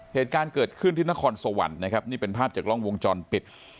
เหตุการณ์เกิดขึ้นที่นครสวรรค์นะครับนี่เป็นภาพจากกล้องวงจรปิด